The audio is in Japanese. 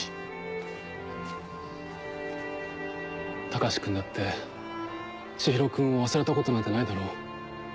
隆君だってちひろ君を忘れたことなんてないだろ？